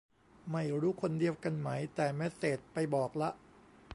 ไม่รู้คนเดียวกันไหม แต่เมสเสจไปบอกละ